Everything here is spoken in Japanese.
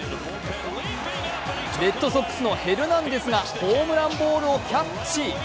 レッドソックスのヘルナンデスがホームランボールをキャッチ。